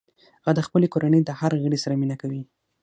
هغه د خپلې کورنۍ د هر غړي سره مینه کوي